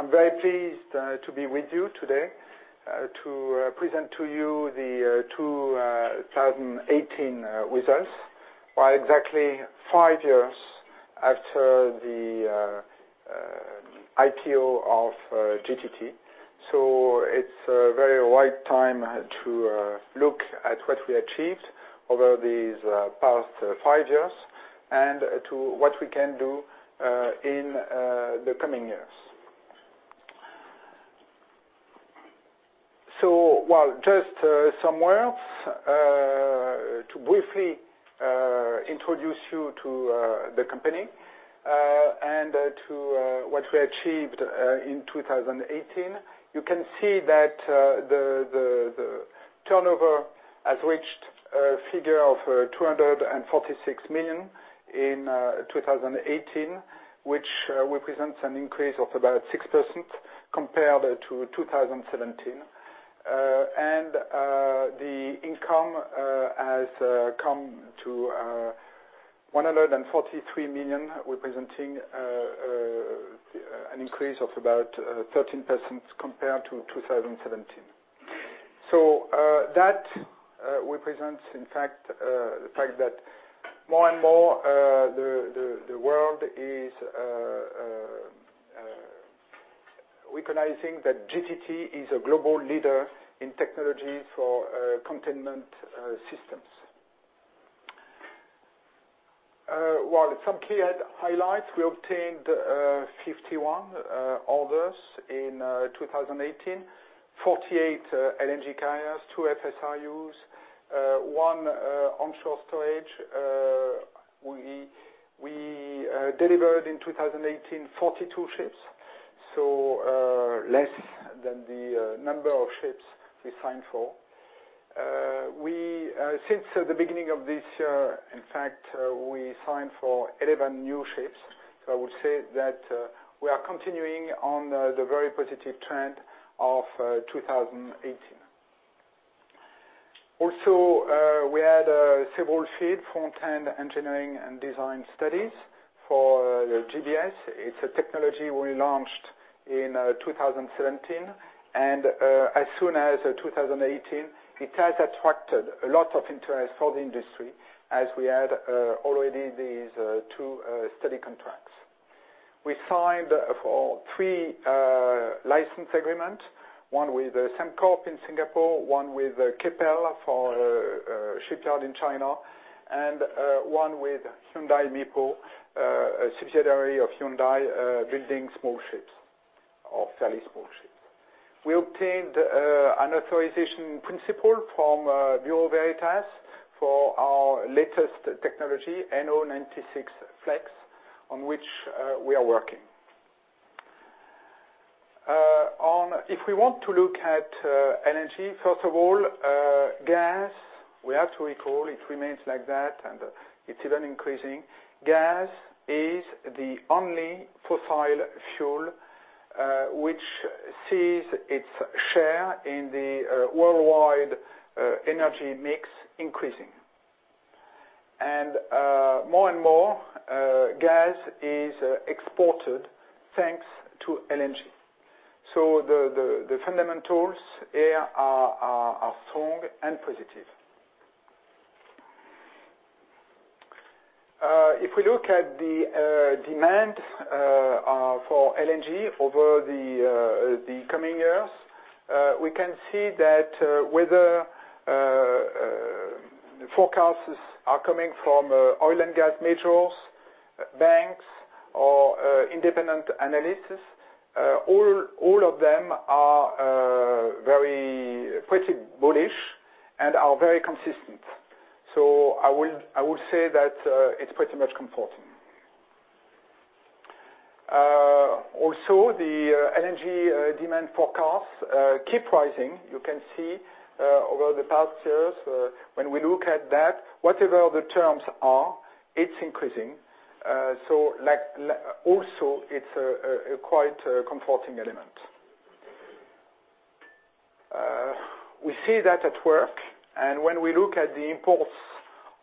Good evening, everybody. I'm very pleased to be with you today to present to you the 2018 results, while exactly five years after the IPO of GTT. So it's a very right time to look at what we achieved over these past five years and to what we can do in the coming years. So while just some words to briefly introduce you to the company and to what we achieved in 2018. You can see that the turnover has reached a figure of 246 million in 2018, which represents an increase of about 6% compared to 2017. And the income has come to 143 million, representing an increase of about 13% compared to 2017. So, that represents, in fact, the fact that more and more the world is recognizing that GTT is a global leader in technology for containment systems. Well, some key highlights, we obtained 51 orders in 2018, 48 LNG carriers, 2 FSRUs, 1 onshore storage. We delivered in 2018 42 ships, so less than the number of ships we signed for. Since the beginning of this year, in fact, we signed for 11 new ships, so I would say that we are continuing on the very positive trend of 2018. Also, we had several FEED, Front-End Engineering and Design studies for the GST. It's a technology we launched in 2017, and as soon as 2018, it has attracted a lot of interest for the industry as we had already these 2 study contracts. We signed for 3 license agreement, one with Sembcorp in Singapore, one with Keppel for a shipyard in China, and one with Hyundai Mipo, a subsidiary of Hyundai, building small ships of very small ships. We obtained an authorization in principle from Bureau Veritas for our latest technology, NO96 Flex, on which we are working. If we want to look at LNG, first of all, gas, we have to recall it remains like that, and it's even increasing. Gas is the only fossil fuel which sees its share in the worldwide energy mix increasing. And more and more gas is exported thanks to LNG. So the fundamentals here are strong and positive. If we look at the demand for LNG over the coming years, we can see that whether forecasts are coming from oil and gas majors, banks, or independent analysts, all of them are very pretty bullish and are very consistent. So I will- I would say that it's pretty much comforting. Also, the LNG demand forecasts keep rising. You can see over the past years, when we look at that, whatever the terms are, it's increasing. So like also, it's a quite comforting element. We see that at work, and when we look at the imports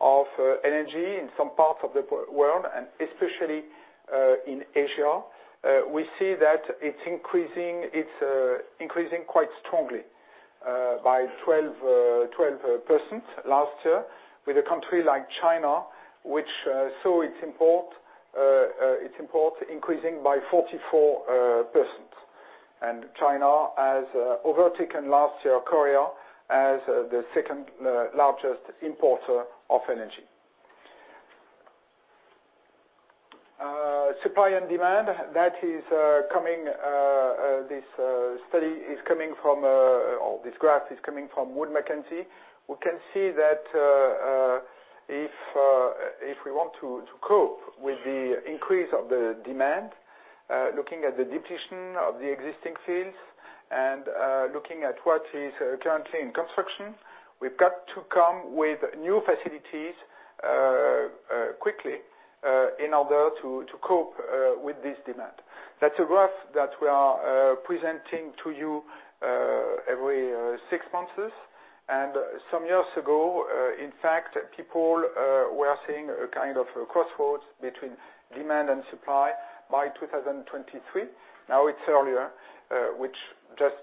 of LNG in some parts of the world, and especially in Asia, we see that it's increasing, it's increasing quite strongly by 12% last year, with a country like China, which saw its import its import increasing by 44%. And China has overtaken last year Korea as the second largest importer of LNG. Supply and demand, that is coming this study is coming from or this graph is coming from Wood Mackenzie. We can see that, if we want to cope with the increase of the demand, looking at the depletion of the existing fields and looking at what is currently in construction, we've got to come with new facilities quickly, in order to cope with this demand. That's a graph that we are presenting to you every six months. Some years ago, in fact, people were seeing a kind of a crossroads between demand and supply by 2023. Now, it's earlier, which just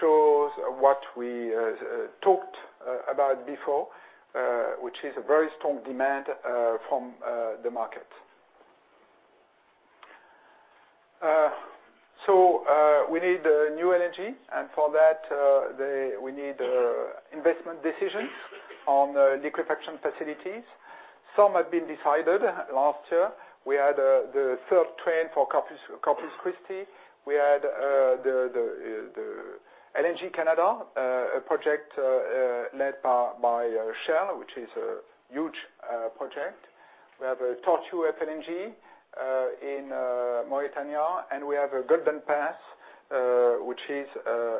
shows what we talked about before, which is a very strong demand from the market. So, we need new LNG, and for that, we need investment decisions on liquefaction facilities. Some have been decided last year. We had the third train for Corpus Christi. We had the LNG Canada, a project led by Shell, which is a huge project. We have a Tortue FLNG in Mauritania, and we have a Golden Pass, which is a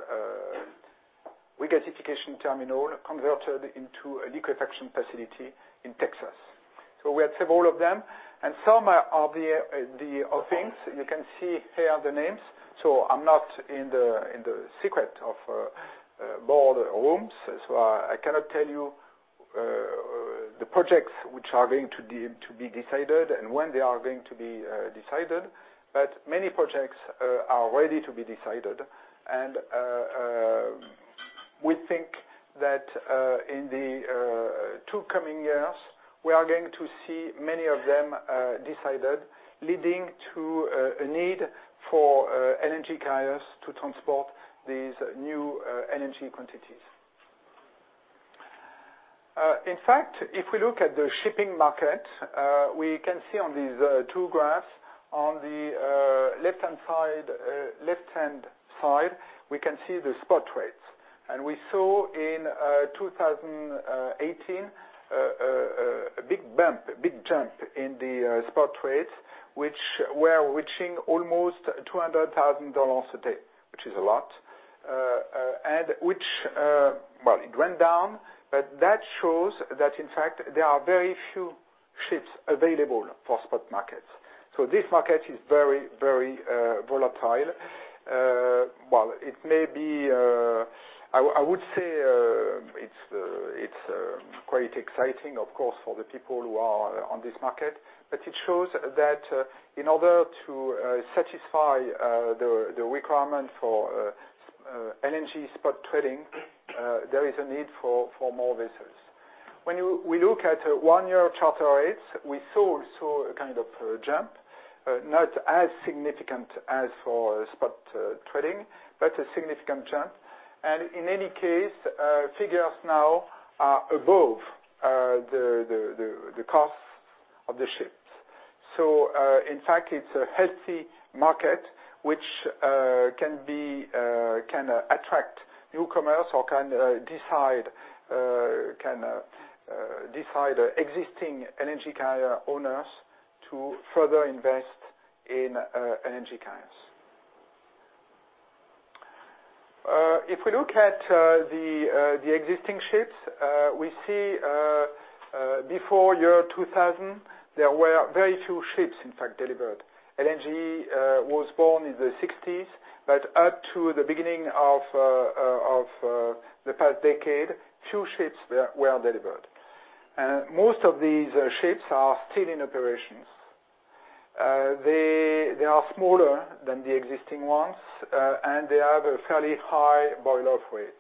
regasification terminal converted into a liquefaction facility in Texas. So we have several of them, and some are the things you can see here, the names. So I'm not in the secret of board rooms, so I cannot tell you the projects which are going to be decided and when they are going to be decided, but many projects are ready to be decided. We think that in the two coming years, we are going to see many of them decided, leading to a need for LNG carriers to transport these new LNG quantities. In fact, if we look at the shipping market, we can see on these two graphs, on the left-hand side, left-hand side, we can see the spot rates. We saw in 2018 a big bump, a big jump in the spot rates, which were reaching almost $200,000 a day, which is a lot. And which, well, it went down, but that shows that, in fact, there are very few ships available for spot markets. So this market is very, very volatile. Well, it may be... I would say, it's quite exciting, of course, for the people who are on this market. But it shows that, in order to satisfy the requirement for LNG spot trading, there is a need for more vessels. When we look at one-year charter rates, we still saw a kind of jump, not as significant as for spot trading, but a significant jump. And in any case, figures now are above the cost of the ships. So, in fact, it's a healthy market, which can attract newcomers or can decide existing LNG carrier owners to further invest in LNG carriers. If we look at the existing ships, we see, before year 2000, there were very few ships, in fact, delivered. LNG was born in the '60s, but up to the beginning of the past decade, few ships were delivered, and most of these ships are still in operations. They are smaller than the existing ones, and they have a fairly high boil-off rates,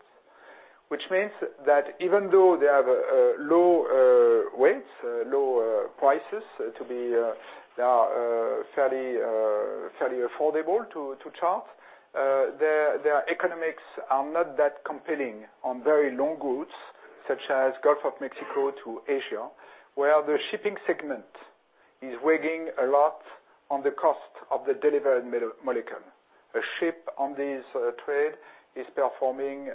which means that even though they have low rates, low prices, to be, they are fairly affordable to chart, their economics are not that compelling on very long routes, such as Gulf of Mexico to Asia, where the shipping segment is weighing a lot on the cost of the delivered molecule. A ship on this trade is performing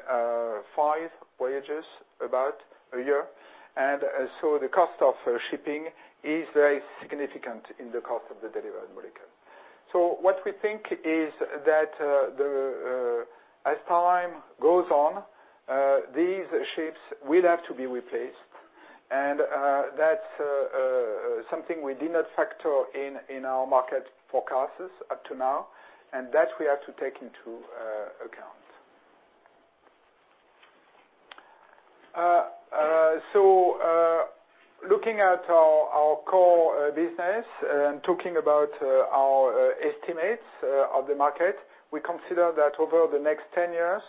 5 voyages about a year, and so the cost of shipping is very significant in the cost of the delivered molecule. So what we think is that, the, as time goes on, these ships will have to be replaced, and that's something we did not factor in, in our market forecasts up to now, and that we have to take into account. So, looking at our, our core business and talking about, our estimates of the market, we consider that over the next 10 years,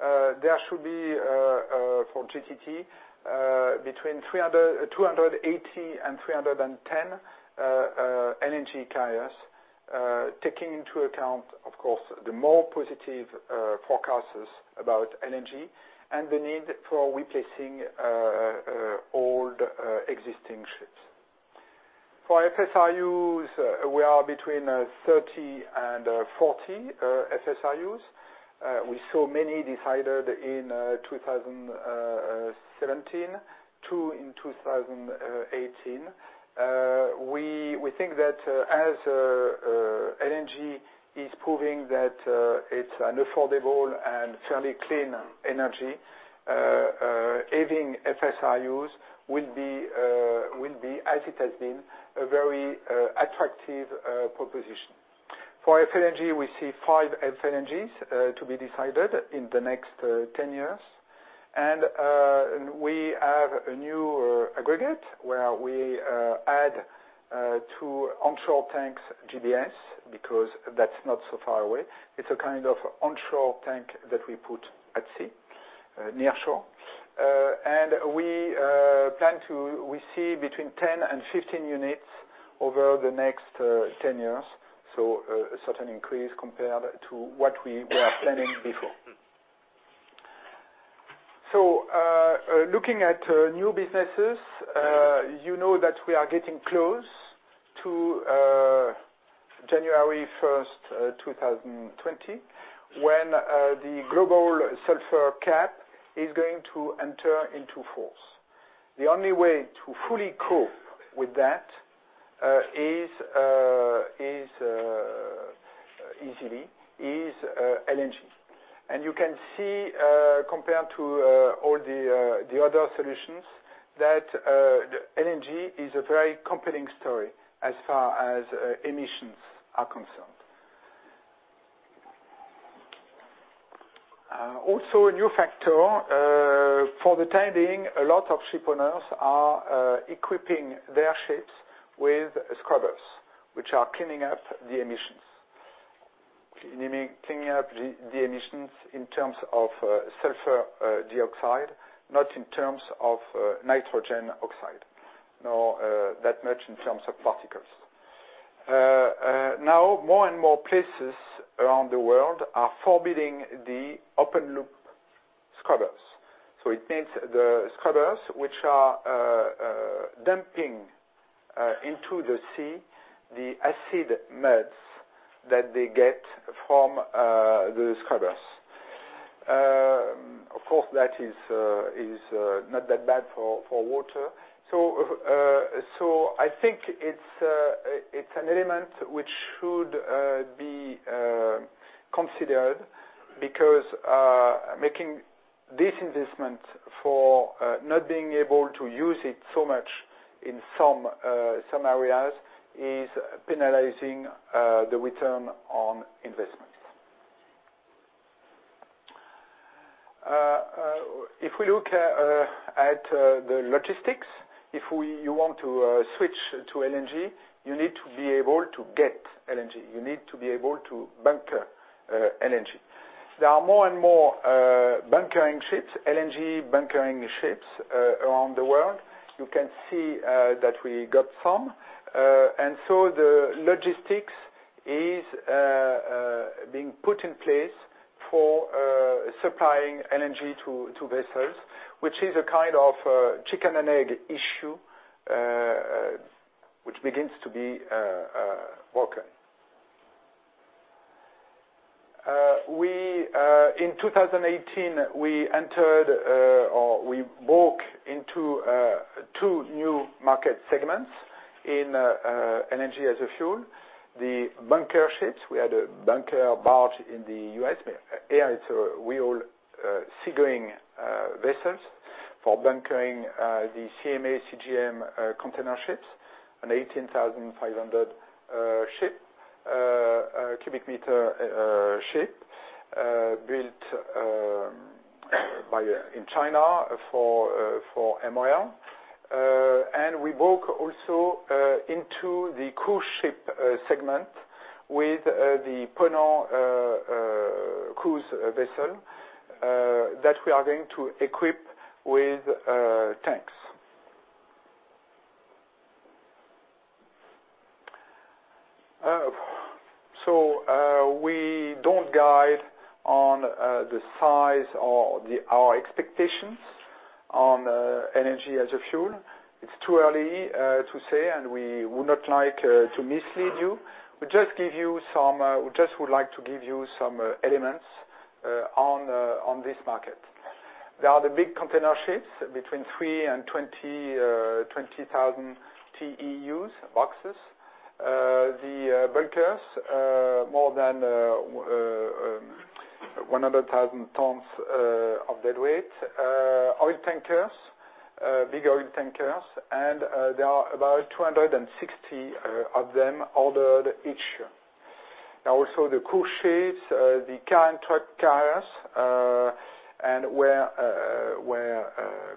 there should be for GTT, between 300... 280-310 LNG carriers, taking into account, of course, the more positive forecasts about LNG and the need for replacing old existing ships. For FSRUs, we are between 30 and 40 FSRUs. We saw many decided in 2017, two in 2018. We think that as LNG is proving that it's an affordable and fairly clean energy, having FSRUs will be, as it has been, a very attractive proposition. For FLNG, we see 5 FLNGs to be decided in the next 10 years. And we have a new aggregate, where we add 2 onshore tanks, GBS, because that's not so far away. It's a kind of onshore tank that we put at sea near shore. And we plan to receive between 10 and 15 units over the next 10 years, so a certain increase compared to what we were planning before. So, looking at new businesses, you know that we are getting close to January 1, 2020, when the global sulfur cap is going to enter into force. The only way to fully cope with that is easily LNG. And you can see, compared to all the other solutions, that LNG is a very compelling story as far as emissions are concerned. Also a new factor, for the time being, a lot of shipowners are equipping their ships with scrubbers, which are cleaning up the emissions. Cleaning up the emissions in terms of sulfur dioxide, not in terms of nitrogen oxide, nor that much in terms of particles. Now, more and more places around the world are forbidding the open loop scrubbers. So it means the scrubbers which are dumping into the sea the acid muds that they get from the scrubbers. Of course, that is not that bad for water. So I think it's an element which should be considered, because making this investment for not being able to use it so much in some areas is penalizing the return on investment. If we look at the logistics, if you want to switch to LNG, you need to be able to get LNG. You need to be able to bunker LNG. There are more and more bunkering ships, LNG bunkering ships, around the world. You can see that we got some. And so the logistics is being put in place for supplying LNG to vessels, which is a kind of chicken and egg issue, which begins to be broken. In 2018, we entered or we broke into two new market segments in LNG as a fuel. The bunker ships, we had a bunker barge in the US. Here it's a real sea-going vessels for bunkering the CMA CGM container ships, an 18,500 cubic meter ship built in China for MOL. And we broke also into the cruise ship segment with the Ponant cruise vessel that we are going to equip with tanks. So we don't guide on the size or our expectations on LNG as a fuel. It's too early to say, and we would not like to mislead you. We just give you some, we just would like to give you some elements on this market. There are the big container ships between 3 and 20,000 TEUs boxes. The bulkers more than 100,000 tons of deadweight. Oil tankers, bigger oil tankers, and there are about 260 of them ordered each year. Now, also the cruise ships, the car and truck carriers, and where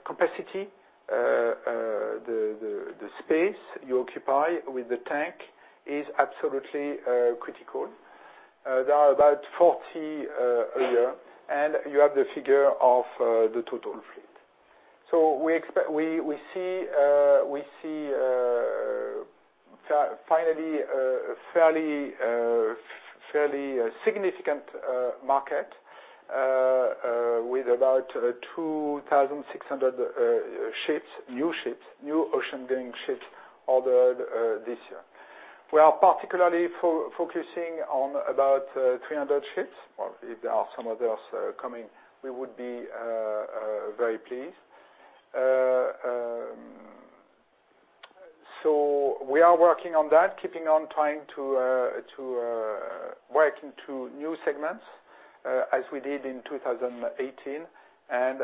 capacity, the space you occupy with the tank is absolutely critical. There are about 40 a year, and you have the figure of the total fleet. So we expect- we see, we see finally, a fairly significant market with about 2,600 ships, new ships, new oceangoing ships ordered this year. We are particularly focusing on about 300 ships, or if there are some others coming, we would be very pleased. So we are working on that, keeping on trying to work into new segments, as we did in 2018, and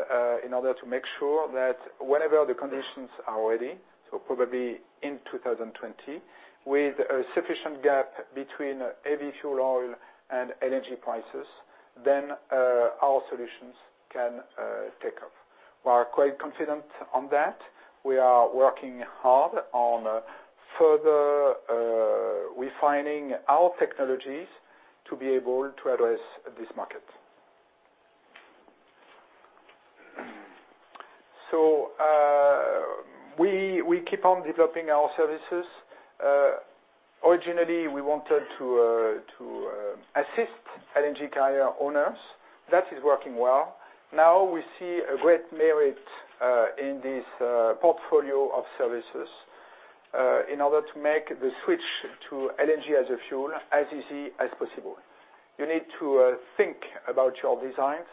in order to make sure that whenever the conditions are ready, so probably in 2020, with a sufficient gap between heavy fuel oil and LNG prices, then our solutions can take off. We are quite confident on that. We are working hard on further refining our technologies to be able to address this market. So we keep on developing our services. Originally, we wanted to assist LNG carrier owners. That is working well. Now we see a great merit in this portfolio of services in order to make the switch to LNG as a fuel as easy as possible. You need to think about your designs,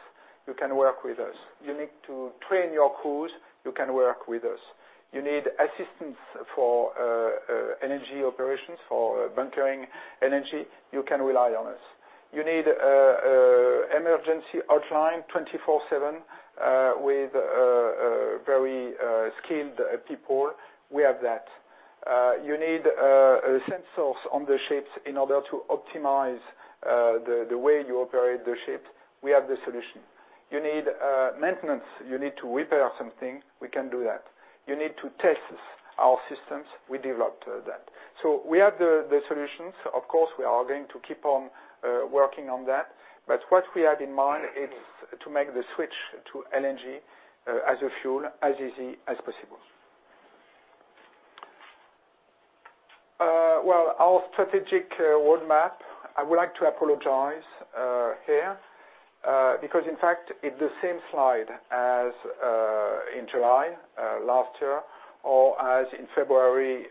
you can work with us. You need to train your crews, you can work with us. You need assistance for LNG operations, for bunkering LNG, you can rely on us. You need emergency hotline 24/7 with very skilled people, we have that. You need sensors on the ships in order to optimize the way you operate the ships, we have the solution. You need maintenance, you need to repair something, we can do that. You need to test our systems, we developed that. So we have the solutions. Of course, we are going to keep on working on that, but what we have in mind is to make the switch to LNG as a fuel as easy as possible. Well, our strategic roadmap, I would like to apologize here because in fact, it's the same slide as in July last year, or as in February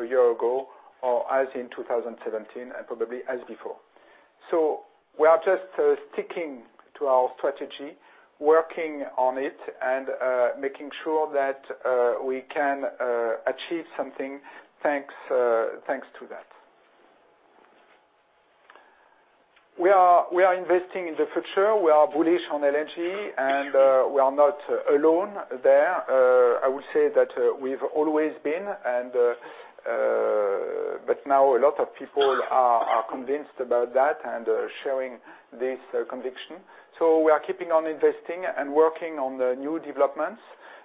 a year ago, or as in 2017, and probably as before. So we are just sticking to our strategy, working on it, and making sure that we can achieve something thanks to that. We are investing in the future. We are bullish on LNG, and we are not alone there. I would say that, we've always been, and, but now a lot of people are convinced about that and are sharing this conviction. So we are keeping on investing and working on the new developments.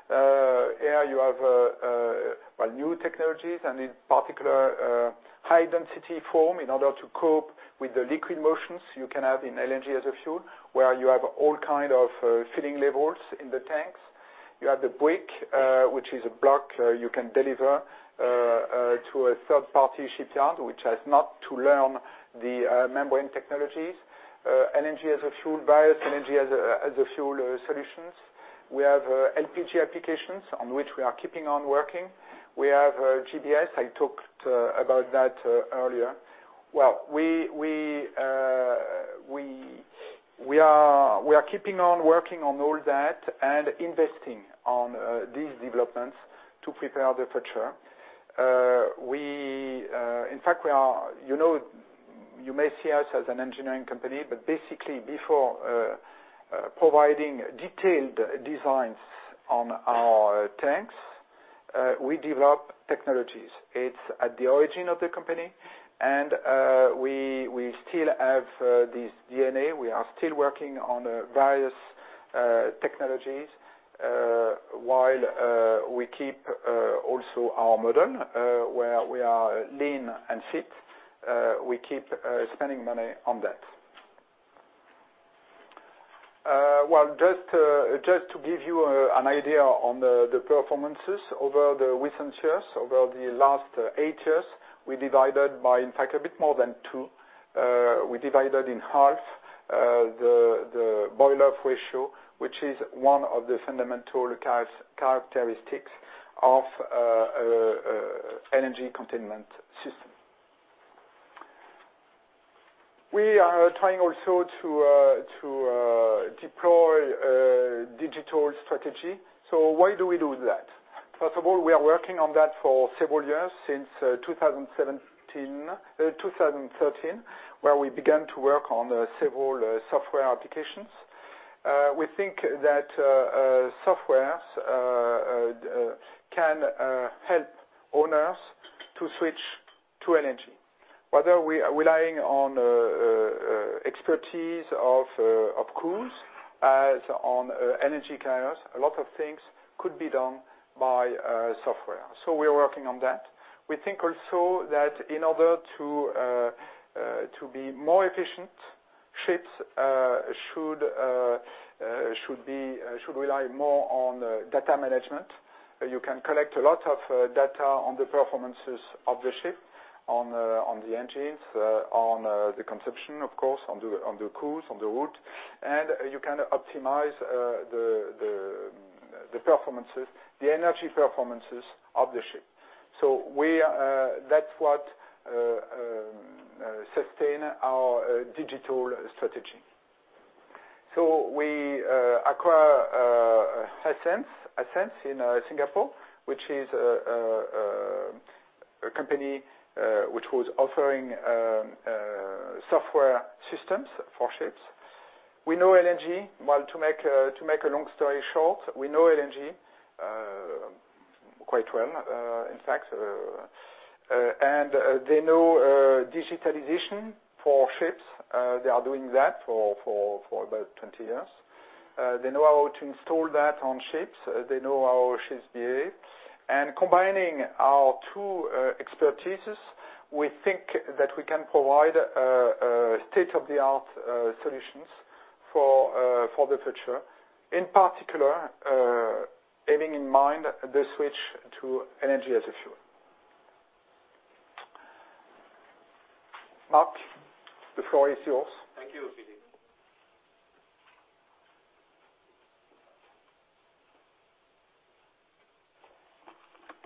Here you have, well, new technologies, and in particular, high-density foam in order to cope with the liquid motions you can have in LNG as a fuel, where you have all kind of filling levels in the tanks. You have the brick, which is a block, you can deliver to a third-party shipyard, which has not to learn the membrane technologies. LNG as a fuel, various LNG as a fuel solutions. We have LPG applications on which we are keeping on working. We have GBS, I talked about that earlier. Well, we are keeping on working on all that and investing on these developments to prepare the future. In fact, you know, you may see us as an engineering company, but basically before providing detailed designs on our tanks, we develop technologies. It's at the origin of the company, and we still have this DNA. We are still working on various technologies while we keep also our model where we are lean and fit. We keep spending money on that. Well, just to give you an idea on the performances over the recent years, over the last 8 years, we divided by, in fact, a bit more than 2, we divided in half the boil off ratio, which is one of the fundamental characteristics of LNG containment system. We are trying also to deploy a digital strategy. So why do we do that? First of all, we are working on that for several years, since 2013, where we began to work on several software applications. We think that softwares can help owners to switch to LNG. Whether we are relying on expertise of crews as on LNG carriers, a lot of things could be done by software. So we are working on that. We think also that in order to be more efficient, ships should rely more on data management. You can collect a lot of data on the performances of the ship, on the engines, on the consumption, of course, on the crews, on the route, and you can optimize the performances, the energy performances of the ship. So that's what sustain our digital strategy. So we acquire Ascenz in Singapore, which is a company which was offering software systems for ships. We know LNG... Well, to make a long story short, we know LNG... Quite well, in fact, they know digitalization for ships. They are doing that for about 20 years. They know how to install that on ships. They know how ships behave. And combining our two expertises, we think that we can provide a state-of-the-art solutions for the future, in particular, aiming in mind the switch to energy as a fuel. Marc, the floor is yours. Thank you, Philippe.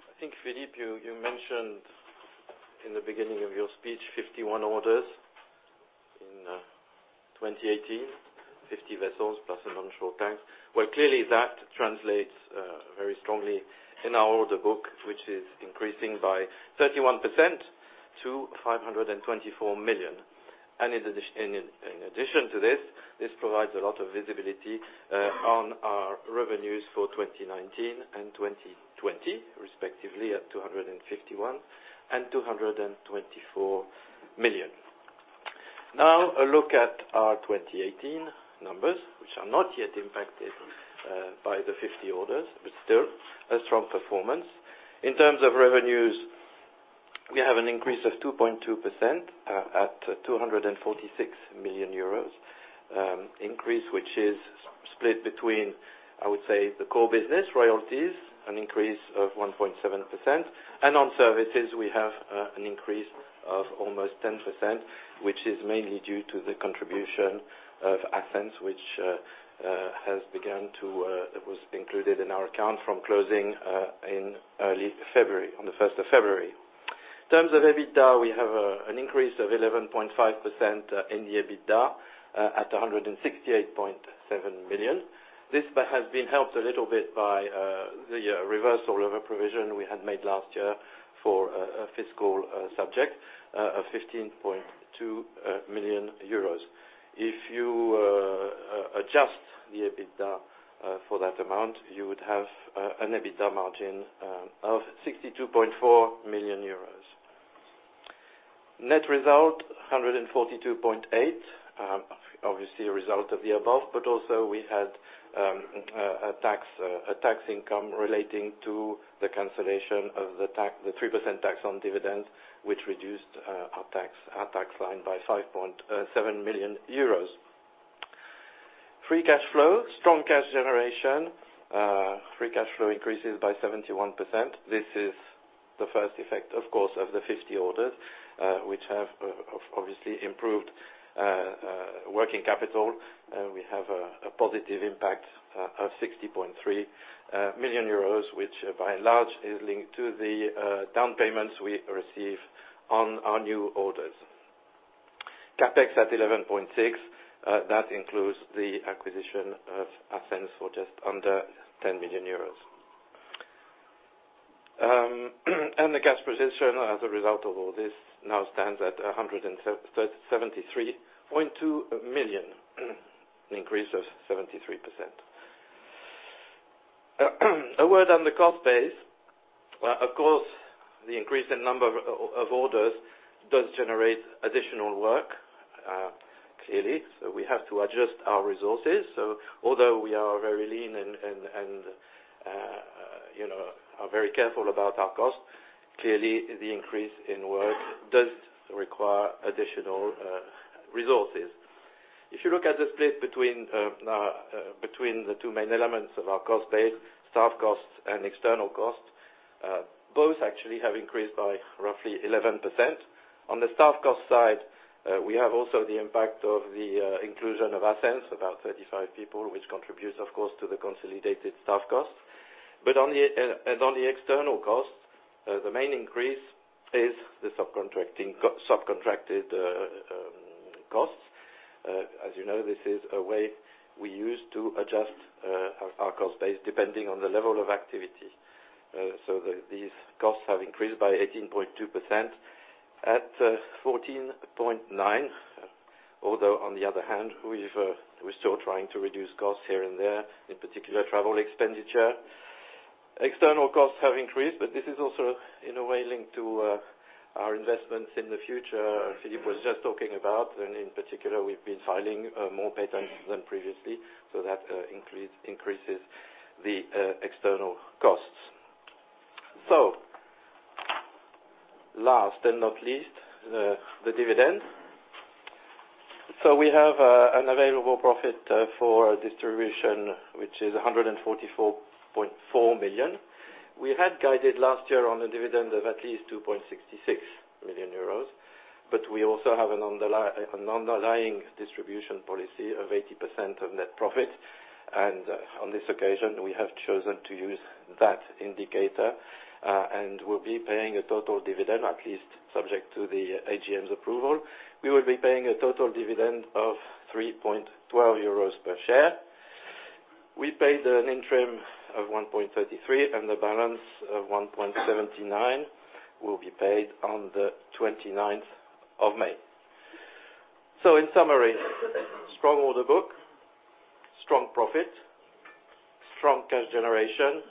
I think, Philippe, you mentioned in the beginning of your speech, 51 orders in 2018, 50 vessels, plus an onshore tank. Well, clearly, that translates very strongly in our order book, which is increasing by 31% to 524 million. In addition, in addition to this, this provides a lot of visibility on our revenues for 2019 and 2020, respectively, at 251 million and 224 million. Now, a look at our 2018 numbers, which are not yet impacted by the 50 orders, but still a strong performance. In terms of revenues, we have an increase of 2.2% at 246 million euros. Increase, which is split between, I would say, the core business royalties, an increase of 1.7%, and on services, we have an increase of almost 10%, which is mainly due to the contribution of Ascenz. It was included in our account from closing in early February, on the first of February. In terms of EBITDA, we have an increase of 11.5% in the EBITDA at 168.7 million. This has been helped a little bit by the reversal of a provision we had made last year for a fiscal subject of 15.2 million euros. If you adjust the EBITDA for that amount, you would have an EBITDA margin of 62.4 million euros. Net result, 142.8. Obviously, a result of the above, but also we had a tax income relating to the cancellation of the tax, the 3% tax on dividend, which reduced our tax line by 5.7 million euros. Free cash flow, strong cash generation. Free cash flow increases by 71%. This is the first effect, of course, of the 50 orders, which have obviously improved working capital. We have a positive impact of 60.3 million euros, which by and large, is linked to the down payments we receive on our new orders. CapEx at 11.6, that includes the acquisition of Ascenz for just under 10 million euros. And the cash position as a result of all this now stands at 173.2 million, an increase of 73%. A word on the cost base. Of course, the increase in number of orders does generate additional work, clearly, so we have to adjust our resources. So although we are very lean and you know are very careful about our cost, clearly, the increase in work does require additional resources. If you look at the split between the two main elements of our cost base, staff costs and external costs, both actually have increased by roughly 11%. On the staff cost side, we have also the impact of the inclusion of Ascenz, about 35 people, which contributes, of course, to the consolidated staff costs. But on the external costs, the main increase is the subcontracting, subcontracted costs. As you know, this is a way we use to adjust our cost base, depending on the level of activity. So these costs have increased by 18.2% at 14.9. Although, on the other hand, we're still trying to reduce costs here and there, in particular, travel expenditure. External costs have increased, but this is also, in a way, linked to our investments in the future Philippe was just talking about, and in particular, we've been filing more patents than previously, so that increase increases the external costs. So last and not least, the dividend. We have an available profit for distribution, which is 144.4 million. We had guided last year on a dividend of at least 2.66 million euros, but we also have an underlying distribution policy of 80% of net profit. And on this occasion, we have chosen to use that indicator, and we'll be paying a total dividend, at least subject to the AGM's approval. We will be paying a total dividend of 3.12 euros per share. We paid an interim of 1.33, and the balance of 1.79 will be paid on the twenty-ninth of May. In summary, strong order book, strong profit, strong cash generation,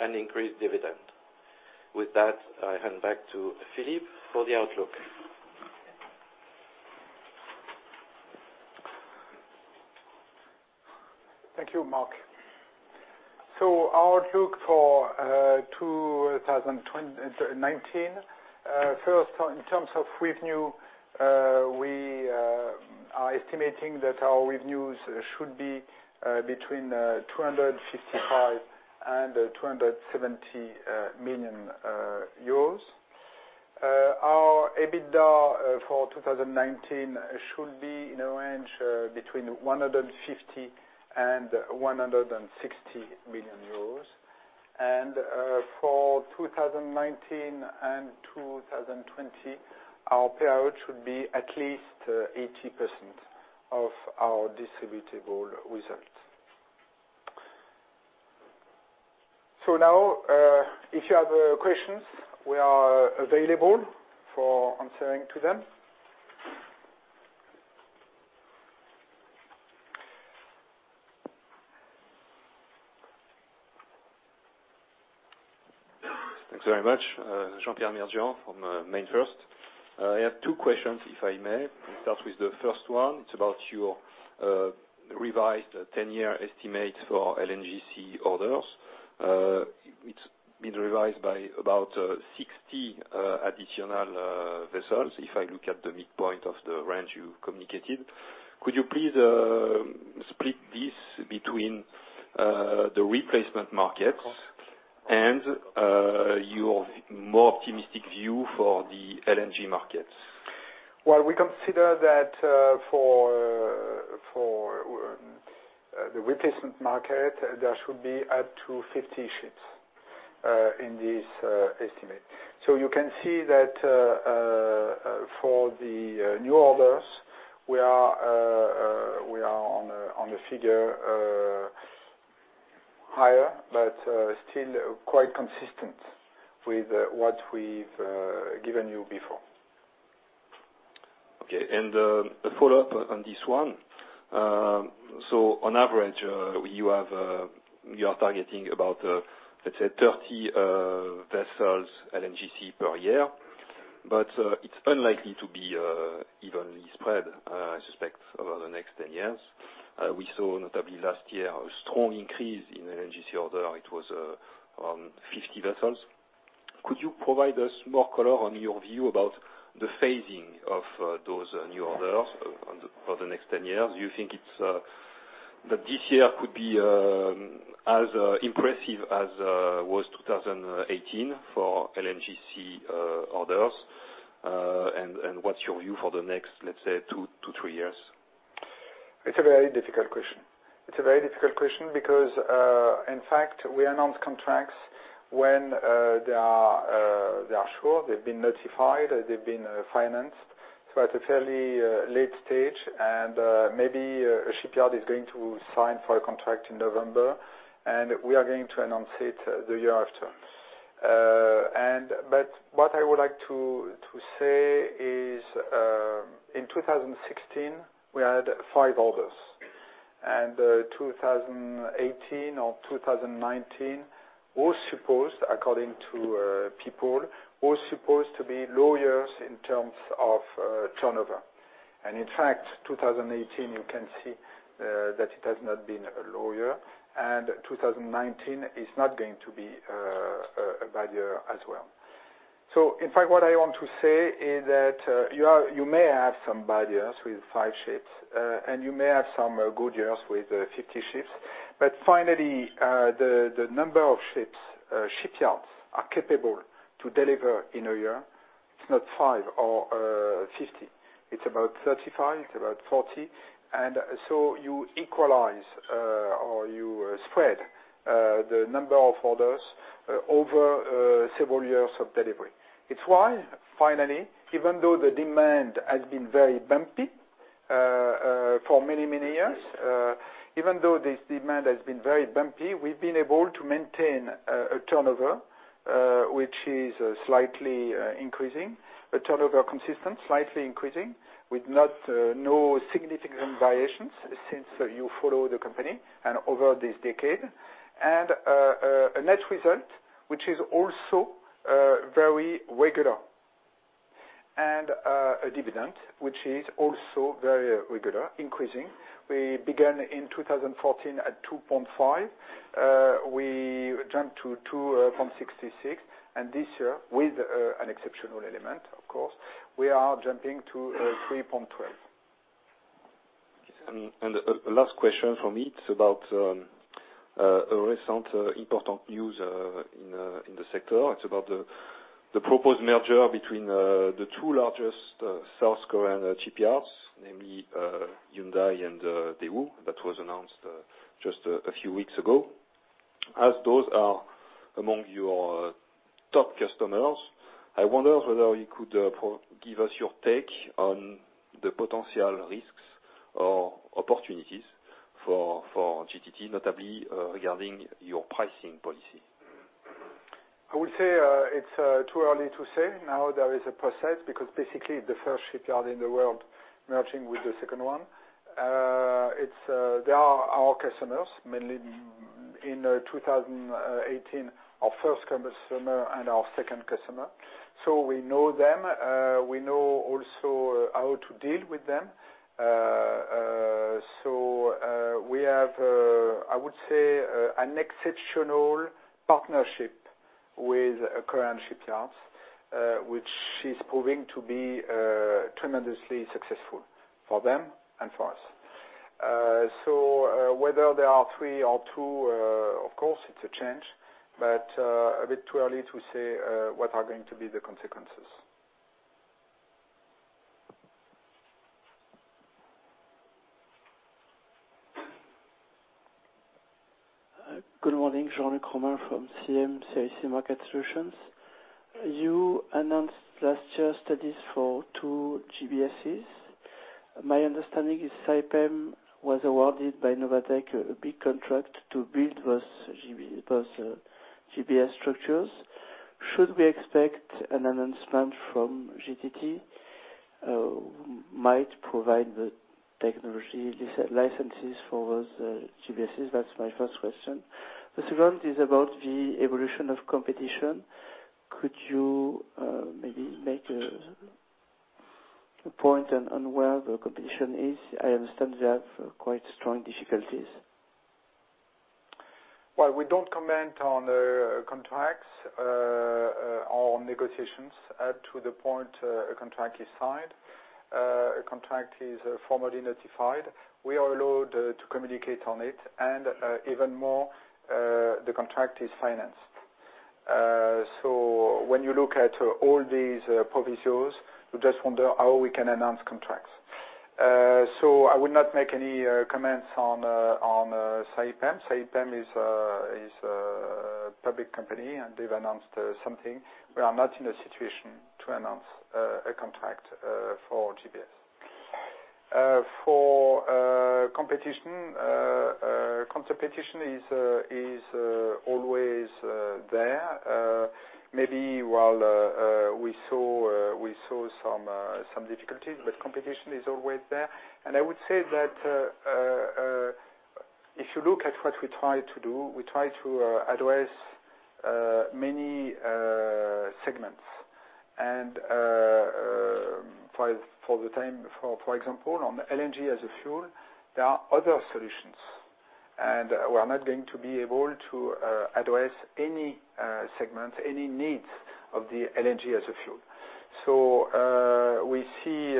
and increased dividend. With that, I hand back to Philippe for the outlook. Thank you, Marc. So our outlook for 2019, first, in terms of revenue, we are estimating that our revenues should be between 255 million and 270 million euros. Our EBITDA for 2019 should be in a range between 150 million and 160 million euros. And, for 2019 and 2020, our payout should be at least 80% of our distributable results. So now, if you have questions, we are available for answering to them. Thanks very much. Jean-Pierre Dmirdjian from MainFirst. I have two questions, if I may. Start with the first one. It's about your revised ten-year estimate for LNGC orders. It's been revised by about 60 additional vessels, if I look at the midpoint of the range you communicated. Could you please split this between the replacement markets and your more optimistic view for the LNG markets? Well, we consider that for the replacement market, there should be up to 50 ships in this estimate. So you can see that for the new orders, we are on a figure higher, but still quite consistent with what we've given you before. Okay. And, a follow-up on this one. So on average, you have, you are targeting about, let's say 30, vessels, LNGC per year, but, it's unlikely to be, evenly spread, I suspect, over the next 10 years. We saw notably last year, a strong increase in LNGC order. It was, 50 vessels. Could you provide us more color on your view about the phasing of, those, new orders, on the- for the next 10 years? Do you think it's, that this year could be, as, impressive as, was 2018 for LNGC, orders? And, what's your view for the next, let's say, 2 to 3 years? It's a very difficult question. It's a very difficult question because, in fact, we announce contracts when they are sure, they've been notified, they've been financed. So at a fairly late stage, and maybe a shipyard is going to sign for a contract in November, and we are going to announce it the year after. And what I would like to say is, in 2016, we had five orders, and 2018 or 2019 was supposed, according to people, to be low years in terms of turnover. And in fact, 2018, you can see that it has not been a low year, and 2019 is not going to be a bad year as well. So in fact, what I want to say is that you may have some bad years with 5 ships, and you may have some good years with 50 ships, but finally, the number of ships shipyards are capable to deliver in a year, it's not 5 or 50, it's about 35, it's about 40. And so you equalize or you spread the number of orders over several years of delivery. It's why, finally, even though the demand has been very bumpy for many, many years, even though this demand has been very bumpy, we've been able to maintain a turnover which is slightly increasing, a turnover consistent, slightly increasing, with no significant variations since you follow the company and over this decade. A net result, which is also very regular, and a dividend, which is also very regular, increasing. We began in 2014 at 2.5. We jumped to 2.66, and this year, with an exceptional element, of course, we are jumping to 3.12. And a last question from me, it's about a recent important news in the sector. It's about the proposed merger between the two largest South Korean shipyards, namely, Hyundai and Daewoo, that was announced just a few weeks ago. As those are among your top customers, I wonder whether you could provide us your take on the potential risks or opportunities for GTT, notably, regarding your pricing policy? I would say, it's too early to say. Now there is a process, because basically the first shipyard in the world merging with the second one. It's they are our customers, mainly in 2018, our first customer and our second customer. So we know them. We know also how to deal with them. So we have, I would say, an exceptional partnership with current shipyards, which is proving to be tremendously successful for them and for us. So whether there are three or two, of course, it's a change, but a bit too early to say what are going to be the consequences. Good morning, Jean-Luc Romain from CM CIC Market Solutions. You announced last year studies for two GBSs. My understanding is Saipem was awarded by Novatek a big contract to build those GBS structures. Should we expect an announcement from GTT might provide the technology licenses for those GBSs? That's my first question. The second is about the evolution of competition. Could you maybe make a point on where the competition is? I understand they have quite strong difficulties. Well, we don't comment on contracts or negotiations to the point a contract is signed, a contract is formally notified. We are allowed to communicate on it, and even more, the contract is financed. So when you look at all these provisos, you just wonder how we can announce contracts. So I would not make any comments on Saipem. Saipem is a public company, and they've announced something. We are not in a situation to announce a contract for GBS. For competition, competition is always there. Maybe while we saw some difficulties, but competition is always there. I would say that, if you look at what we try to do, we try to address many segments. For the time, for example, on LNG as a fuel, there are other solutions, and we are not going to be able to address any segment, any needs of the LNG as a fuel. We see,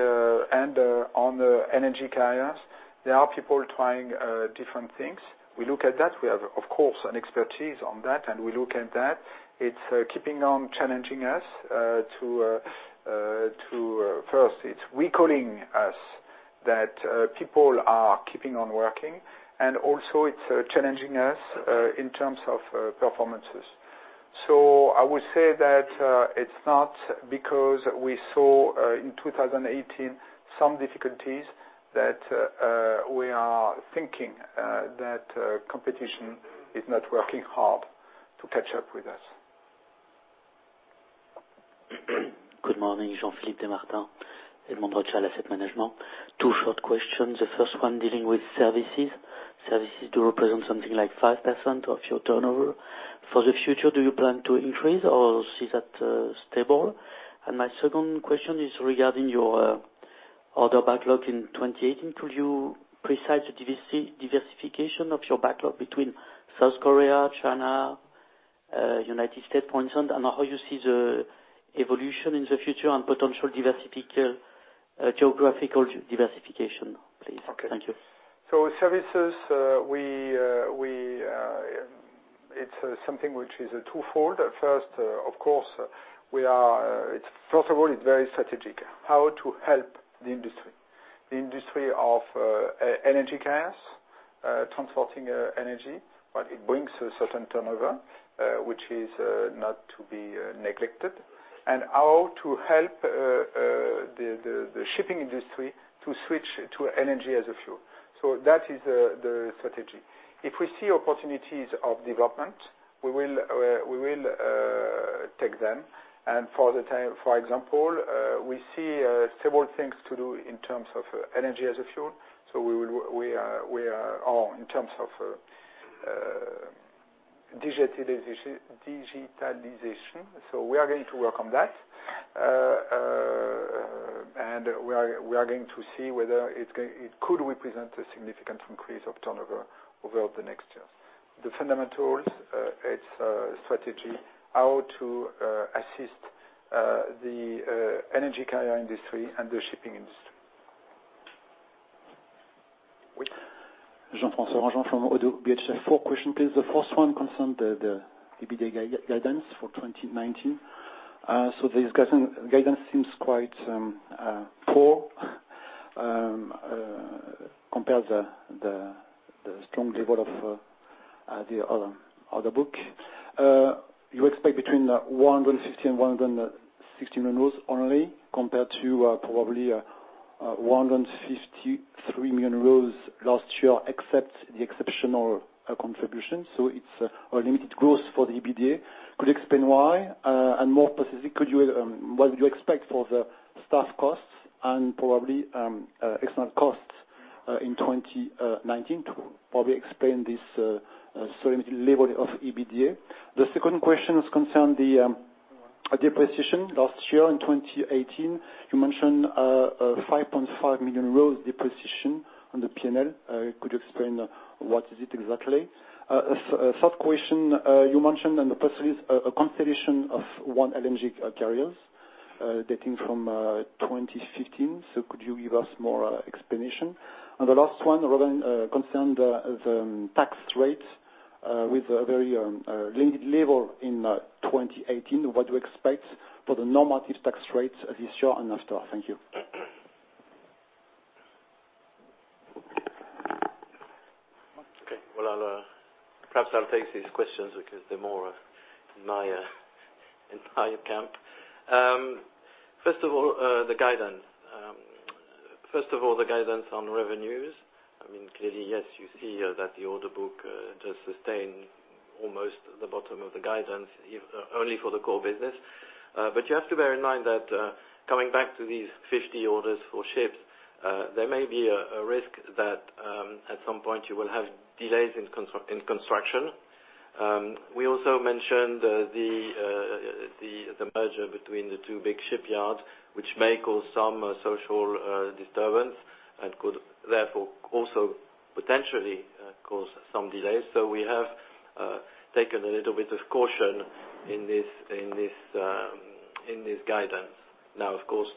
and on the energy carriers, there are people trying different things. We look at that. We have, of course, an expertise on that, and we look at that. It's keeping on challenging us to—First, it's recalling us that people are keeping on working, and also it's challenging us in terms of performances. So I would say that it's not because we saw in 2018 some difficulties that we are thinking that competition is not working hard to catch up with us. Good morning, Jean-Philippe Desmartin, Edmond de Rothschild Asset Management. Two short questions, the first one dealing with services. Services do represent something like 5% of your turnover. For the future, do you plan to increase or is that stable? And my second question is regarding your order backlog in 2018. Could you precise the diversification of your backlog between South Korea, China, United States, for instance, and how you see the evolution in the future and potential geographical diversification, please? Okay. Thank you. So services, it's something which is a twofold. First, of course, we are, first of all, it's very strategic, how to help the industry of energy carriers transporting energy. But it brings a certain turnover which is not to be neglected, and how to help the shipping industry to switch to LNG as a fuel. So that is the strategy. If we see opportunities of development, we will take them. And for the time, for example, we see several things to do in terms of LNG as a fuel, so we will, we are on, in terms of digitalization. So we are going to work on that. We are going to see whether it could represent a significant increase of turnover over the next years. The fundamentals, it's strategy, how to assist the energy carrier industry and the shipping industry. Jean-François Granjon from Oddo BHF. Four questions, please. The first one concerns the EBITDA guidance for 2019. So this guidance seems quite poor compared to the strong level of the order book. You expect between 150 million and 160 million euros only, compared to probably 153 million euros last year, except the exceptional contribution, so it's a limited growth for the EBITDA. Could you explain why? And more specific, could you, what do you expect for the staff costs and probably external costs in 2019 to probably explain this limited level of EBITDA? The second question is concerned the depreciation last year in 2018, you mentioned a 5.5 million depreciation on the P&L. Could you explain what is it exactly? A third question, you mentioned on the press release, a cancellation of one LNG carriers dating from 2015, so could you give us more explanation? And the last one, Robin, concerned the tax rate with a very limited level in 2018. What do you expect for the normative tax rates this year and next year? Thank you. Okay. Well, I'll perhaps I'll take these questions because they're more in my, in my camp. First of all, the guidance. First of all, the guidance on revenues, I mean, clearly, yes, you see here that the order book does sustain almost the bottom of the guidance, if only for the core business. But you have to bear in mind that, coming back to these 50 orders for ships, there may be a risk that, at some point you will have delays in construction. We also mentioned the merger between the two big shipyards, which may cause some social disturbance, and could therefore also potentially cause some delays. So we have taken a little bit of caution in this guidance. Now, of course,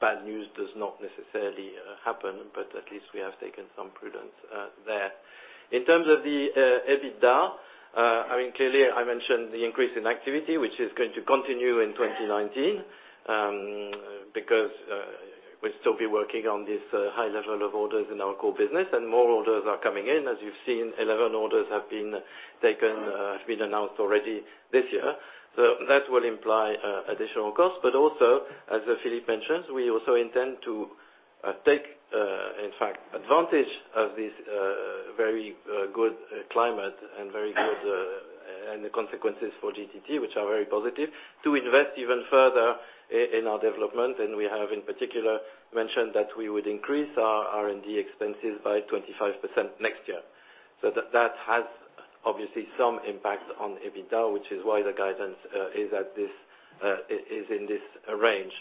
bad news does not necessarily happen, but at least we have taken some prudence there. In terms of the EBITDA, I mean, clearly, I mentioned the increase in activity, which is going to continue in 2019, because we'll still be working on this high level of orders in our core business, and more orders are coming in. As you've seen, 11 orders have been taken, have been announced already this year. So that will imply additional costs, but also, as Philippe mentioned, we also intend to take, in fact, advantage of this very good climate and very good, and the consequences for GTT, which are very positive, to invest even further in our development. And we have, in particular, mentioned that we would increase our R&D expenses by 25% next year. So that has obviously some impact on EBITDA, which is why the guidance is in this range.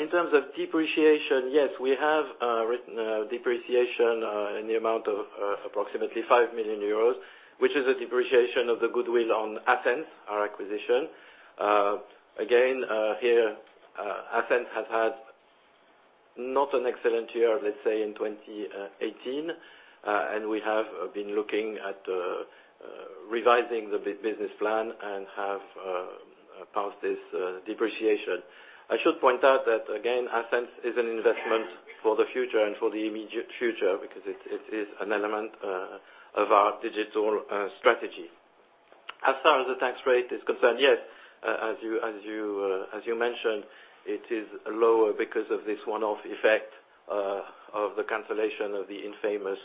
In terms of depreciation, yes, we have written depreciation in the amount of approximately 5 million euros, which is a depreciation of the goodwill on Ascenz, our acquisition. Again, here, Ascenz has had not an excellent year, let's say, in 2018. And we have been looking at revising the business plan and have passed this depreciation. I should point out that, again, Ascenz is an investment for the future and for the immediate future, because it is an element of our digital strategy. As far as the tax rate is concerned, yes, as you mentioned, it is lower because of this one-off effect of the cancellation of the infamous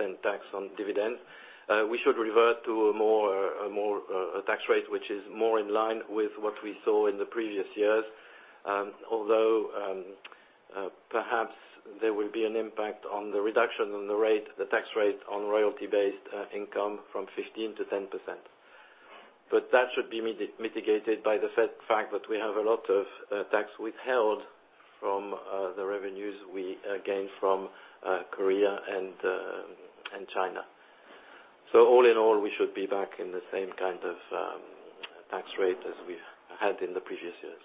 3% tax on dividends. We should revert to a more tax rate, which is more in line with what we saw in the previous years, although perhaps there will be an impact on the reduction on the rate, the tax rate on royalty-based income from 15%-10%. But that should be mitigated by the fact that we have a lot of tax withheld from the revenues we gained from Korea and China. So all in all, we should be back in the same kind of tax rate as we've had in the previous years.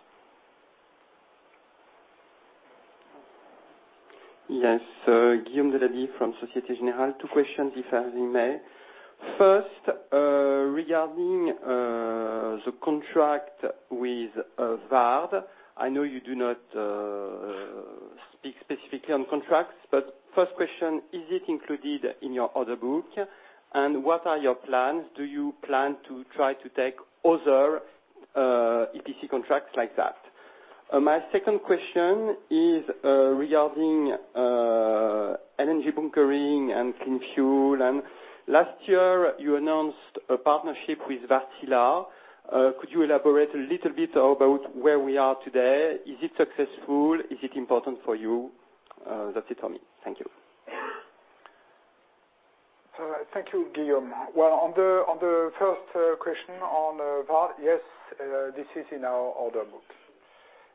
Yes. Guillaume Delaby from Société Générale. Two questions, if I may. First, regarding the contract with Vard, I know you do not speak specifically on contracts, but first question, is it included in your order book? And what are your plans? Do you plan to try to take other EPC contracts like that? My second question is, regarding LNG bunkering and clean fuel, and last year, you announced a partnership with Wärtsilä. Could you elaborate a little bit about where we are today? Is it successful? Is it important for you? That's it for me. Thank you. Thank you, Guillaume. Well, on the first question on Vard, yes, this is in our order book.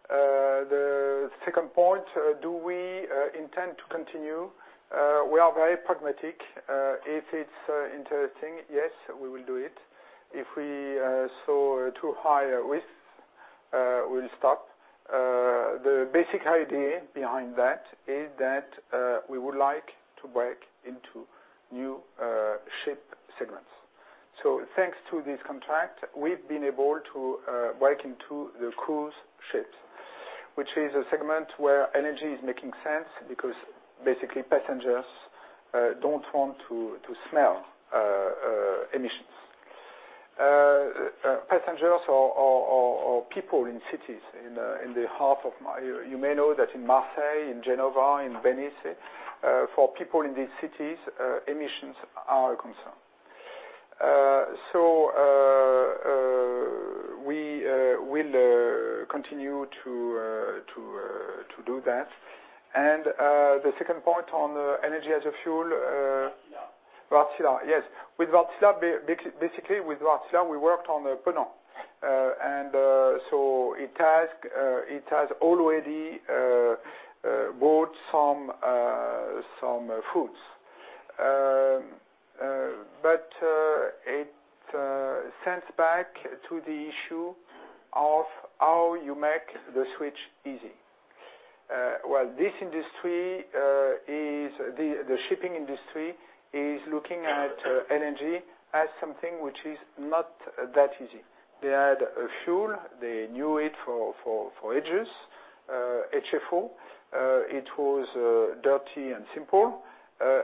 The second point, do we intend to continue? We are very pragmatic. If it's interesting, yes, we will do it. If we saw too high a risk, we'll stop. The basic idea behind that is that we would like to break into new ship segments. So thanks to this contract, we've been able to break into the cruise ships, which is a segment where energy is making sense because basically passengers don't want to smell emissions. You may know that in Marseille, in Genova, in Venice, for people in these cities, emissions are a concern. So, we will to do that. And the second point on LNG as fuel— Wärtsilä. Wärtsilä, yes. With Wärtsilä, basically, with Wärtsilä, we worked on the Ponant. And, so it has, it has already, brought some fruits. But, it sends back to the issue of how you make the switch easy. Well, this industry is the shipping industry is looking at LNG as something which is not that easy. They had a fuel, they knew it for ages, HFO. It was dirty and simple.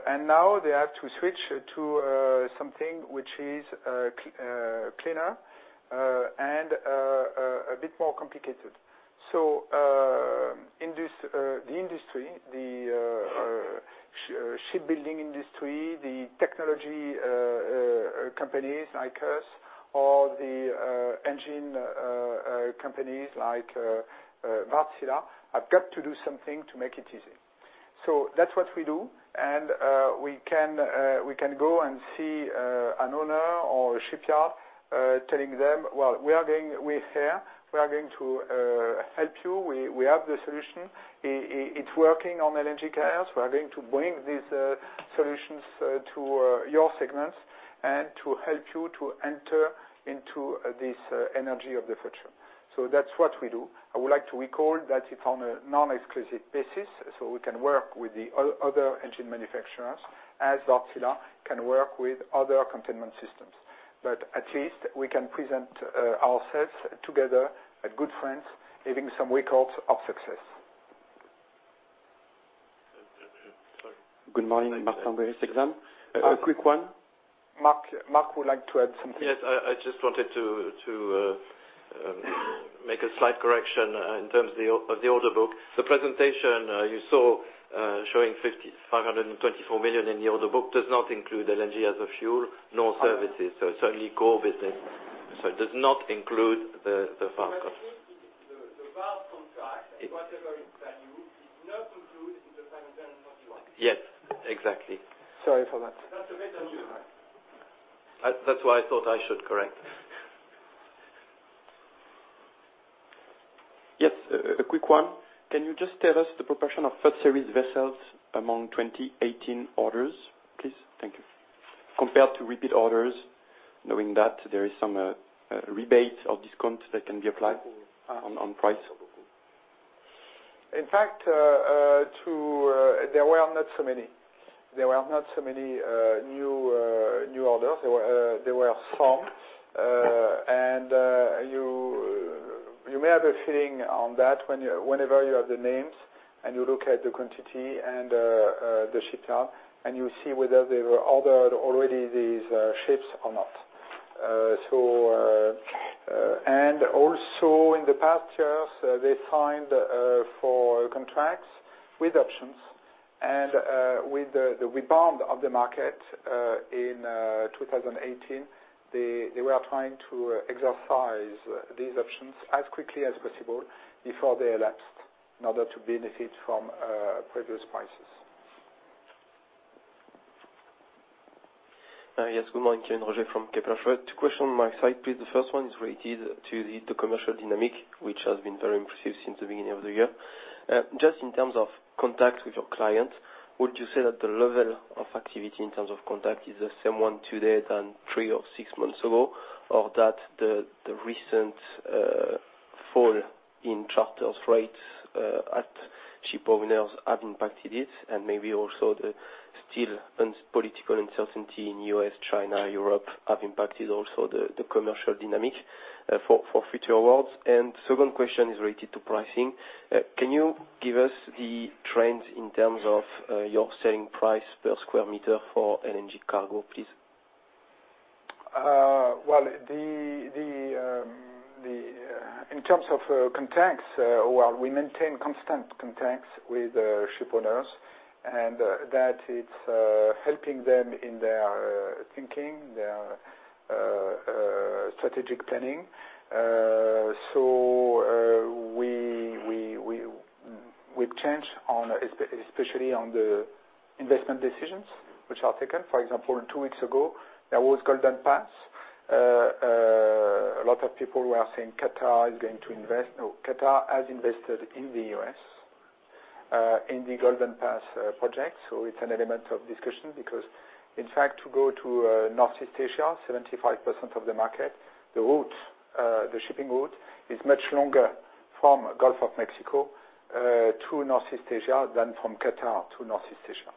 And now they have to switch to something which is cleaner and a bit more complicated. So, in this, the industry, the, shipbuilding industry, the technology, companies like us, or the, engine companies like, Wärtsilä, have got to do something to make it easy. So that's what we do, and, we can, we can go and see, an owner or a shipyard, telling them, "Well, we are going... We're here. We are going to, help you. We, we have the solution. It, it, it's working on LNG carriers. We are going to bring these, solutions, to, your segments, and to help you to enter into this, energy of the future." So that's what we do. I would like to recall that it's on a non-exclusive basis, so we can work with the other engine manufacturers, as Wärtsilä can work with other containment systems. But at least we can present ourselves together as good friends, having some records of success. Good morning, Martin Beresexam. A quick one- Marc, Marc would like to add something. Yes, I just wanted to make a slight correction in terms of the order book. The presentation you saw showing 5,524 million in the order book does not include LNG as a fuel, nor services. So it's only core business, so it does not include the forecast. The Wärtsilä contract, whatever its value, is not included in the EUR 521 million. Yes, exactly. Sorry for that. That's a bit on you. That's why I thought I should correct. Yes, a quick one. Can you just tell us the proportion of third series vessels among 2018 orders, please? Thank you. Compared to repeat orders, knowing that there is some rebate or discount that can be applied on price. In fact, there were not so many. There were not so many new orders. There were some. And you may have a feeling on that whenever you have the names, and you look at the quantity and the shipyard, and you see whether they were ordered already, these ships or not. So, and also in the past years, they signed for contracts with options. And with the rebound of the market in 2018, they were trying to exercise these options as quickly as possible before they elapsed, in order to benefit from previous prices. Yes. Good morning, Kevin Roger from Kepler. Two questions on my side, please. The first one is related to the commercial dynamic, which has been very impressive since the beginning of the year. Just in terms of contacts with your clients, would you say that the level of activity in terms of contact is the same one today than three or six months ago? Or that the recent fall in charter rates at shipowners have impacted it, and maybe also the still uncertain political uncertainty in U.S., China, Europe, have impacted also the commercial dynamic for future awards? And second question is related to pricing. Can you give us the trends in terms of your selling price per square meter for LNG cargo, please? Well, the, the, in terms of, contacts, well, we maintain constant contacts with, shipowners, and, that it's, helping them in their, thinking, their, strategic planning. So, we, we, we've changed on, especially on the investment decisions which are taken. For example, two weeks ago, there was Golden Pass. A lot of people were saying Qatar is going to invest. No, Qatar has invested in the U.S., in the Golden Pass, project. So it's an element of discussion, because, in fact, to go to, Northeast Asia, 75% of the market, the route, the shipping route is much longer from Gulf of Mexico, to Northeast Asia than from Qatar to Northeast Asia.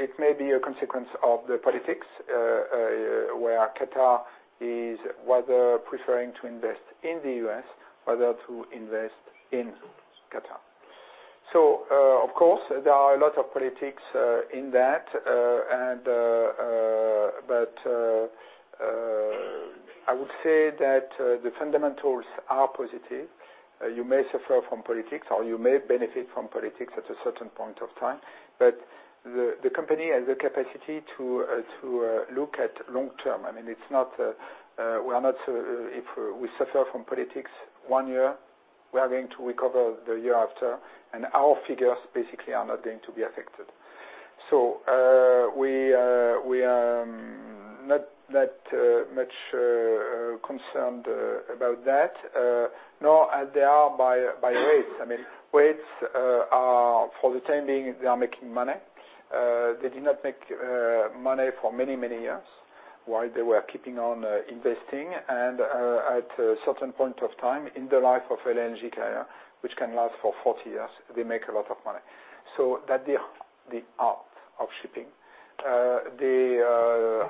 It may be a consequence of the politics, where Qatar is rather preferring to invest in the U.S., rather to invest in Qatar. So, of course, there are a lot of politics in that, and but, I would say that the fundamentals are positive. You may suffer from politics, or you may benefit from politics at a certain point of time, but the company has the capacity to look at long term. I mean, it's not we are not if we suffer from politics one year, we are going to recover the year after, and our figures basically are not going to be affected. So, we not much concerned about that. No, they are by rates. I mean, rates are for the time being, they are making money. They did not make money for many, many years while they were keeping on investing. And at a certain point of time in the life of LNG carrier, which can last for 40 years, they make a lot of money. So that the art of shipping.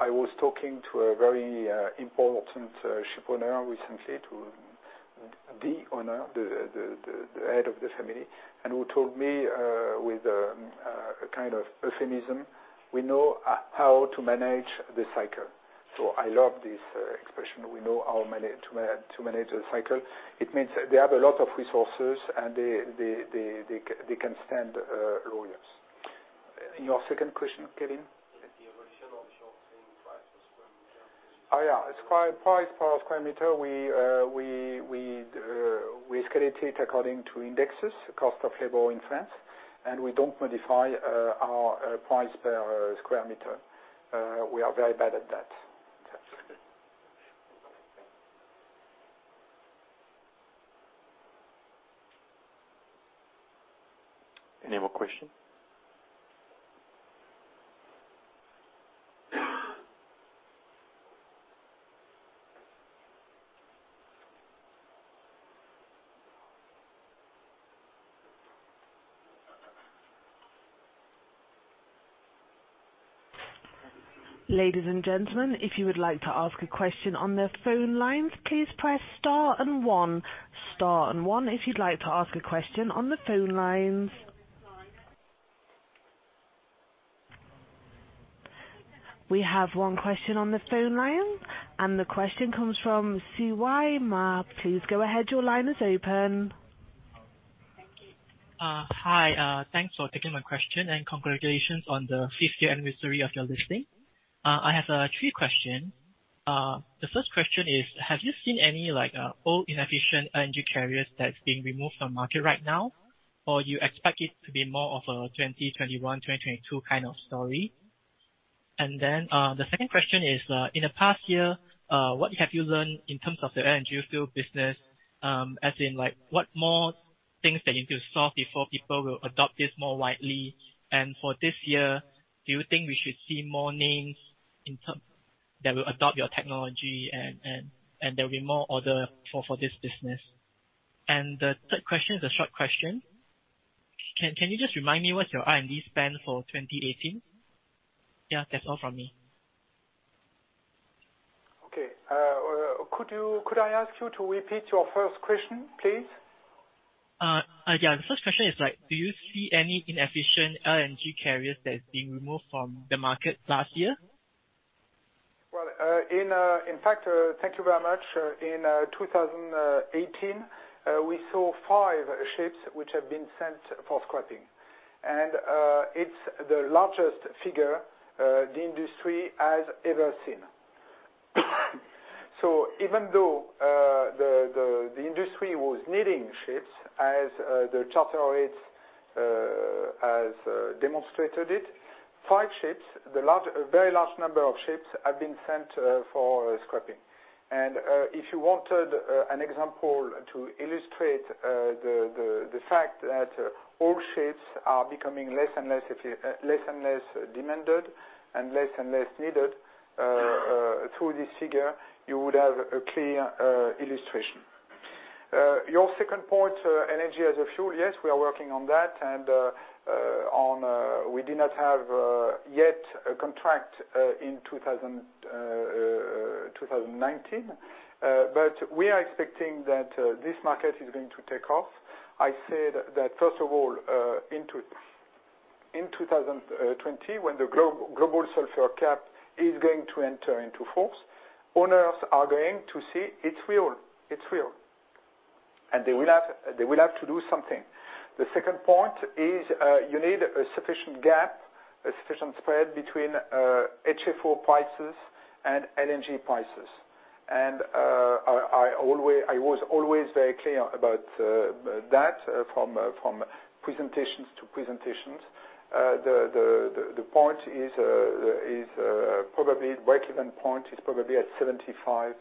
I was talking to a very important ship owner recently, to the owner, the head of the family, and who told me with a kind of euphemism, "We know how to manage the cycle." So I love this expression. We know how to manage the cycle. It means they have a lot of resources, and they can stand lawyers. And your second question, Kevin? The evolution of short-term prices per square meter. Oh, yeah, it's price per square meter. We scale it according to indexes, cost of labor in France, and we don't modify our price per square meter. We are very bad at that. Okay. Any more question? Ladies and gentlemen, if you would like to ask a question on the phone lines, please press star and one. Star and one if you'd like to ask a question on the phone lines. We have one question on the phone line, and the question comes from C.Y. Ma. Please go ahead, your line is open. Thank you. Hi, thanks for taking my question, and congratulations on the fifth year anniversary of your listing. I have three question. The first question is, have you seen any, like, old inefficient LNG carriers that's being removed from market right now, or you expect it to be more of a 2021, 2022 kind of story? And then, the second question is, in the past year, what have you learned in terms of the LNG fuel business? As in, like, what more things that you need to solve before people will adopt this more widely? And for this year, do you think we should see more names in term- that will adopt your technology, and, and, and there will be more order for, for this business? And the third question is a short question. Can you just remind me what's your R&D spend for 2018? Yeah, that's all from me. Okay, could I ask you to repeat your first question, please? The first question is, like, do you see any inefficient LNG carriers that are being removed from the market last year? Well, in fact, thank you very much. In 2018, we saw 5 ships which have been sent for scrapping. It's the largest figure the industry has ever seen. So even though the industry was needing ships, as the charter rates has demonstrated it, 5 ships, a very large number of ships, have been sent for scrapping. If you wanted an example to illustrate the fact that old ships are becoming less and less active, less and less demanded and less and less needed through this figure, you would have a clear illustration. Your second point, LNG as a fuel, yes, we are working on that and on... We did not have yet a contract in 2019. But we are expecting that this market is going to take off. I said that first of all, in 2020, when the global sulfur cap is going to enter into force, owners are going to see it's real, it's real, and they will have to do something. The second point is, you need a sufficient gap, a sufficient spread between HFO prices and LNG prices. And I was always very clear about that from presentations to presentations. The point is, probably breakeven point is probably at $75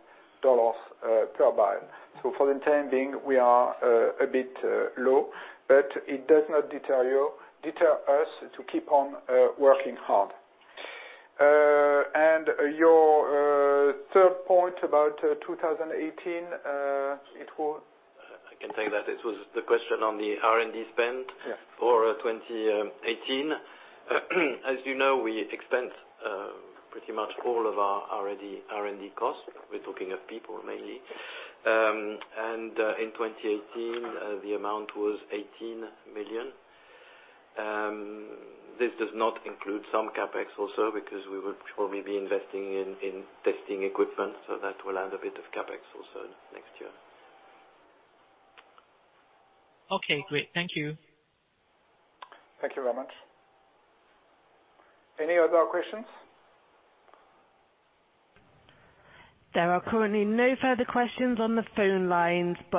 per mile. For the time being, we are a bit low, but it does not deter us to keep on working hard. Your third point about 2018, it was? I can take that. It was the question on the R&D spend- Yeah. for 2018. As you know, we spend pretty much all of our R&D, R&D costs. We're talking of people mainly. In 2018, the amount was 18 million. This does not include some CapEx also, because we will probably be investing in testing equipment, so that will add a bit of CapEx also next year. Okay, great. Thank you. Thank you very much. Any other questions? There are currently no further questions on the phone lines.